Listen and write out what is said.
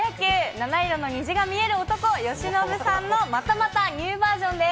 七色の虹が見える男、由伸さんのまたまたニューバージョンです。